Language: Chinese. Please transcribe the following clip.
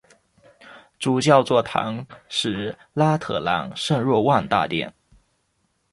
主教座堂是拉特朗圣若望大殿。